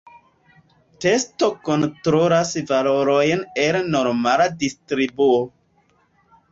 Testo kontrolas valorojn el normala distribuo.